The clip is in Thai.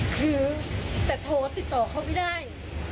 คือแต่โทรติดต่อเขาไม่ได้